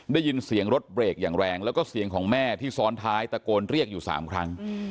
ได้ยินเสียงรถเบรกอย่างแรงแล้วก็เสียงของแม่ที่ซ้อนท้ายตะโกนเรียกอยู่๓ครั้ง